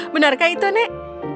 benarkah itu nek